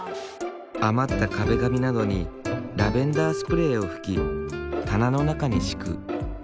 余った壁紙などにラベンダースプレーを吹き棚の中に敷く。